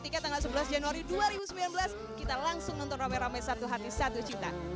tiket tanggal sebelas januari dua ribu sembilan belas kita langsung nonton rame rame satu hati satu cinta